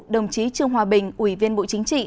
đồng chí trương hòa bình ủy viên bộ chính trị